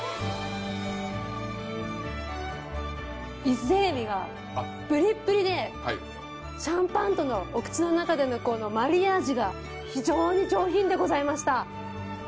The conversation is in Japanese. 伊勢エビがぷりっぷりでシャンパンとのお口の中でのマリアージュが非常に上品でございました。